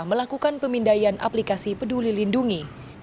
melakukan pemindaian aplikasi peduli lindungi